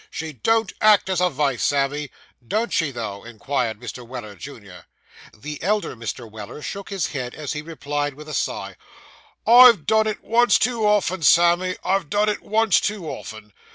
She don't act as a vife, Sammy.' Don't she, though?' inquired Mr. Weller, junior. The elder Mr. Weller shook his head, as he replied with a sigh, 'I've done it once too often, Sammy; I've done it once too often.